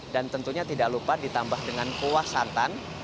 dan tentunya tidak lupa ditambah dengan kuah santan